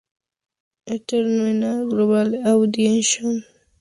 Entertainment Global Audition" realizado en Toronto.